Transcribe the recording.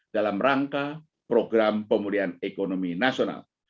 dalam rangka program pemulihan ekonomi nasional